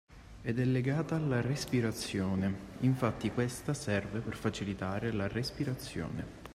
Ed è legata alla respirazione, infatti questa serve per facilitare la respirazione.